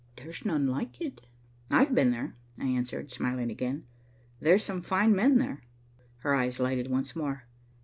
There's none like it." "I've been there," I answered, smiling again. "There's some fine men there." Her eyes lighted once more.